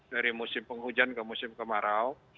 dari musim penghujan ke musim kemarau